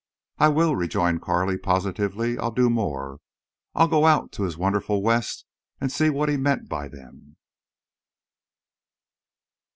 "I will," rejoined Carley, positively. "I'll do more. I'll go out to his wonderful West and see what he meant by them."